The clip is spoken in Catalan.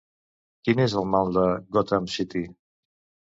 Quin és el mal de Gotham City?